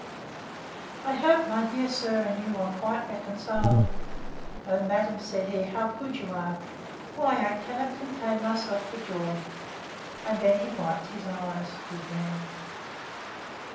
I hope my dear sir and you are quite reconciled.—O, madam, said he, how good you are! Why, I cannot contain myself for joy! and then he wiped his eyes; good man!